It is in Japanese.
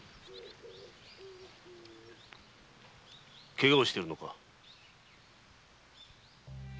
・けがをしているのか？